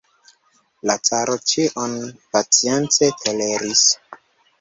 La caro ĉion pacience toleris.